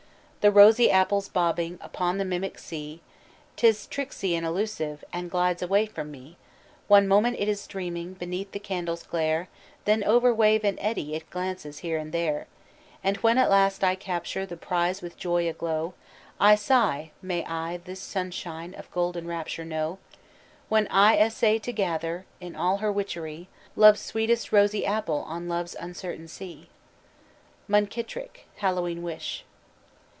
"The rosy apple's bobbing Upon the mimic sea 'T is tricksy and elusive, And glides away from me. "One moment it is dreaming Beneath the candle's glare, Then over wave and eddy It glances here and there. "And when at last I capture The prize with joy aglow, I sigh, may I this sunshine Of golden rapture know "When I essay to gather In all her witchery Love's sweetest rosy apple On Love's uncertain sea." MUNKITTRICK: _Hallowe'en Wish.